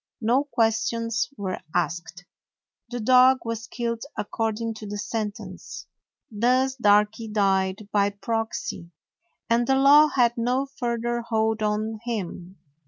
No ques tions were asked. The dog was killed accord ing to the sentence. Thus Darky died by 107 DOG HEROES OF MANY LANDS proxy, and the law had no further hold on him.